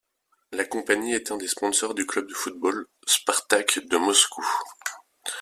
La compagnie est un des sponsors du club de footbal Spartak de Moscou.